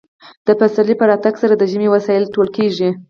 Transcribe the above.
د پسرلي په راتګ سره د ژمي وسایل ټول کیږي